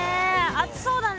熱そうだね。